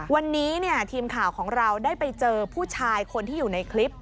วันนี้ทีมข่าวของเราได้ไปเจอผู้ชายคนที่อยู่ในคลิป